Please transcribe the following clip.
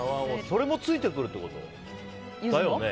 それもついてくるってことだよね？